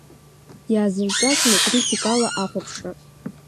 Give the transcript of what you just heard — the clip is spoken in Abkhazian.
Иаазыркьаҿны критикала ахәаԥшра.